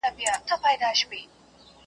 په بېغمه یې د تور دانې خوړلې .